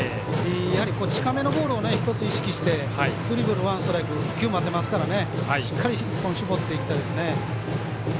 やはり、近めのボールを１つ意識してスリーベース、ワンストライクしっかり１本絞っていきたいです。